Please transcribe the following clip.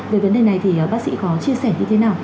về vấn đề này thì bác sĩ có chia sẻ như thế nào